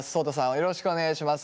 よろしくお願いします。